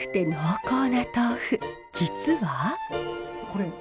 実は。